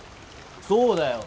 そうだよ。